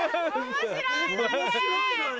面白いのに？